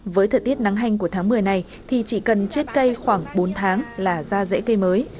với thời tiết nắng hanh của tháng một mươi này thì chỉ cần chiết cây khoảng bốn tháng là ra rễ cây mới